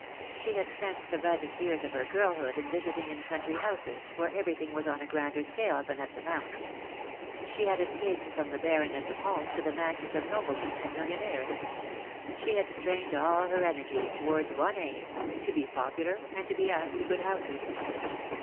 She had spent the brightest years of her girlhood in visiting in country 15* 2 28 THE DAY WILL COME. houses, where everything was on a grander scale than at the Mount. She had escaped from the barrenness of home to the mansions of noblemen and millionaires. She had strained all her energies towards one aim — to be popular, and to be asked to good houses.